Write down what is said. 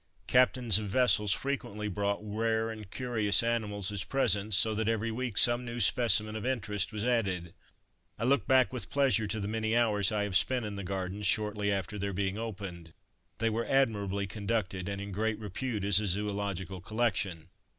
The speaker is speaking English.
Captains of vessels frequently brought rare and curious animals as presents, so that every week some new specimen of interest was added. I look back with pleasure to the many hours I have spent in the Gardens shortly after their being opened. They were admirably conducted, and in great repute as a zoological collection.